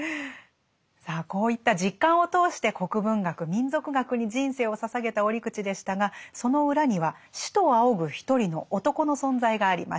さあこういった実感を通して国文学民俗学に人生を捧げた折口でしたがその裏には師と仰ぐ一人の男の存在がありました。